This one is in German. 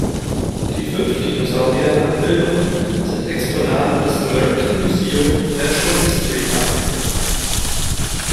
Die fünf Dinosaurier-Nachbildungen sind Exponaten des American Museum of Natural History nachempfunden.